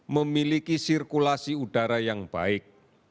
memiliki sirkulasi udara yang baik